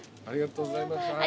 ありがとうございます。